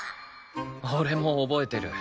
俺も覚えてる。